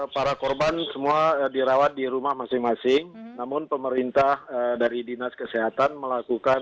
para korban semua dirawat di rumah masing masing namun pemerintah dari dinas kesehatan melakukan